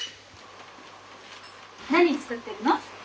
何作ってるの？